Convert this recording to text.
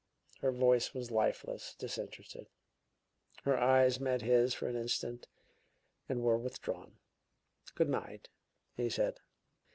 Her voice was lifeless, disinterested; her eyes met his for an instant and were withdrawn. "Good night," he said.